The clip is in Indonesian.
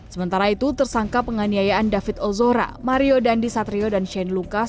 sementara itu tersangka penganiayaan david ozora mario dandi satrio dan shane lucas